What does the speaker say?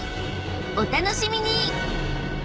お楽しみに！］